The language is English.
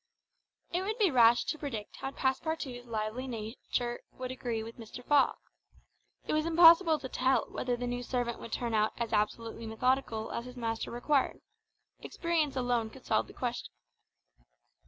It would be rash to predict how Passepartout's lively nature would agree with Mr. Fogg. It was impossible to tell whether the new servant would turn out as absolutely methodical as his master required; experience alone could solve the question.